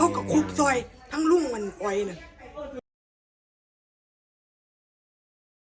อันดับสุดท้ายก็คืออันดับสุดท้าย